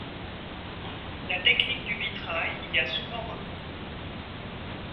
La technique du vitrail y a souvent recours.